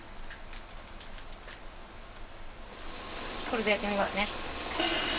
これでやってみますね。